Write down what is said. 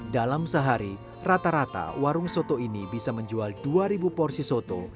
dalam sehari rata rata warung soto ini bisa menjual dua porsi soto